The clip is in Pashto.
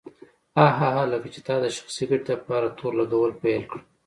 هه هه هه لکه چې تا د شخصي ګټې دپاره تور لګول پيل کړه.